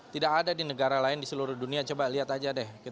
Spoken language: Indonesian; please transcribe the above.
tidak ada di negara lain di seluruh dunia coba lihat aja deh